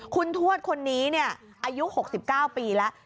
คุณทวดคนนี้อายุ๖๙ปีแล้ว